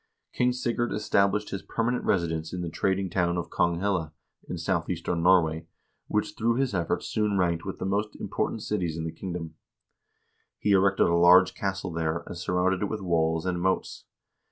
King Sigurd established his permanent residence in the trading town of Konghelle, in southeastern Norway, which through his efforts soon ranked with the most important cities in the kingdom. He erected a large castle there, and surrounded it with walls and moats.